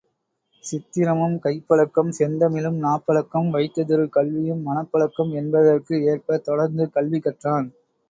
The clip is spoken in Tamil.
சித்திரமும் கைப்பழக்கம் செந்தமிழும் நாப்பழக்கம் வைத்ததொரு கல்வியும் மனப்பழக்கம் என்பதற்கு ஏற்பத் தொடர்ந்து கல்வி கற்றான்.